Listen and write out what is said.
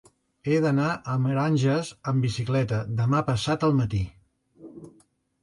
He d'anar a Meranges amb bicicleta demà passat al matí.